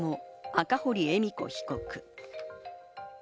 ・赤堀恵美子被告。